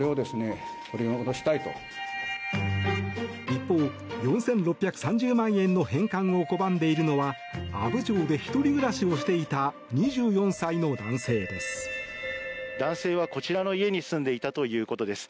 一方、４６３０万円の返還を拒んでいるのは阿武町で１人暮らしをしていた２４歳の男性です。